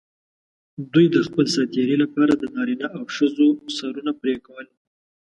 دوی د خپل سات تېري لپاره د نارینه او ښځو سرونه پرې کول.